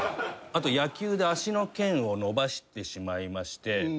あと野球で足の腱を伸ばしてしまいまして。